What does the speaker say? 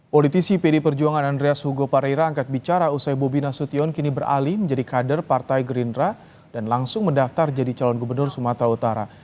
politisi pd perjuangan andreas hugo pareira angkat bicara usai bobi nasution kini beralih menjadi kader partai gerindra dan langsung mendaftar jadi calon gubernur sumatera utara